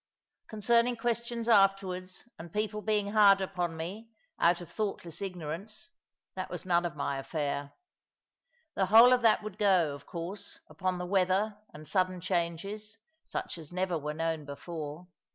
Concerning questions afterwards, and people being hard upon me, out of thoughtless ignorance, that was none of my affair. The whole of that would go, of course, upon the weather and sudden changes, such as never were known before.